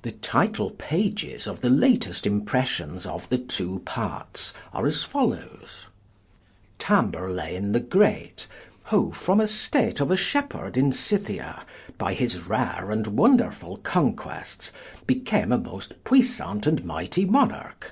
The title pages of the latest impressions of THE TWO PARTS are as follows; Tamburlaine the Greate. Who, from the state of a Shepheard in Scythia, by his rare and wonderfull Conquests, became a most puissant and mighty Monarque.